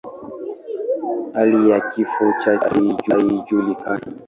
Hali ya kifo chake haijulikani.